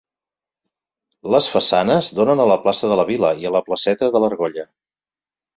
Les façanes donen a la plaça de la Vila i a la placeta de l'Argolla.